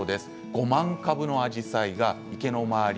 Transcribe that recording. ５万株のアジサイが池の周り